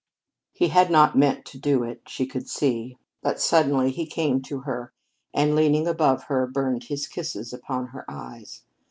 He had not meant to do it, she could see, but suddenly he came to her, and leaning above her burned his kisses upon her eyes.